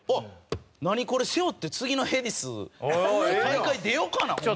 『ナニコレ』背負って次のヘディス大会出ようかなホンマに。